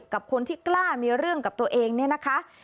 กับคนที่กล้ามีเรื่องกับตัวเองเนี่ยนะคะ